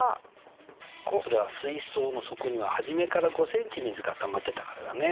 それは水槽の底には初めから５ｃｍ水がたまってたからだね。